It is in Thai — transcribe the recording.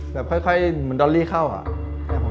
แบบค่อยมันดอลลี่เข้าอะ